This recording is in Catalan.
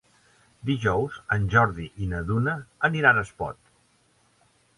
Dijous en Jordi i na Duna aniran a Espot.